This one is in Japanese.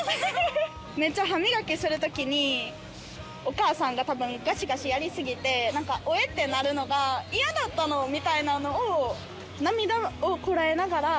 歯磨きするときにお母さんがガシガシやり過ぎてオエッてなるのが嫌だったみたいなのを涙をこらえながら訴えてるんですよ